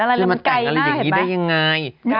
แม่มันไม่เห็นอะไรเรื่องไก่หน้าเห็นไหม